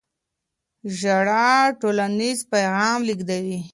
ژړا ټولنیز پیغام لېږدوي.